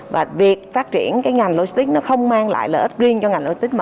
và việc phát triển cái ngành logistics nó không mang lại lợi ích riêng cho ngành logistics mà